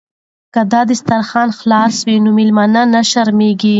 که دسترخوان خلاص وي نو میلمه نه شرمیږي.